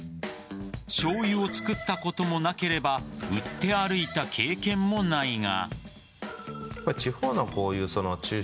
しょうゆを造ったこともなければ売って歩いた経験もないが。